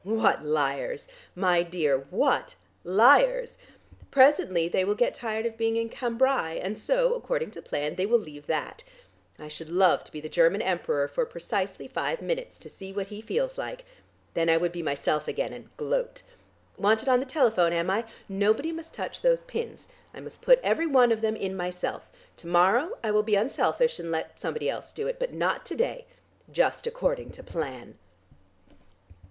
What liars! My dear, what liars. Presently they will get tired of being in Cambrai, and so, according to plan, they will leave that. I should love to be the German Emperor for precisely five minutes to see what he feels like. Then I would be myself again, and gloat. Wanted on the telephone, am I? Nobody must touch those pins. I must put every one of them in myself. To morrow I will be unselfish and let somebody else do it, but not to day. Just according to plan!"